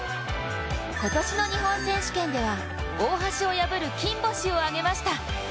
今年の日本選手権では、大橋を破る金星を挙げました。